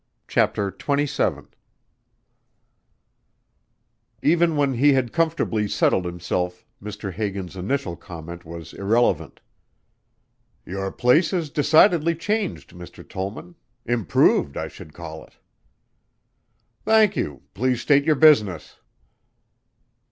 CHAPTER XXVII Even when he had comfortably settled himself Mr. Hagan's initial comment was irrelevant. "Your place is decidedly changed, Mr. Tollman. Improved I should call it." "Thank you. Please state your business."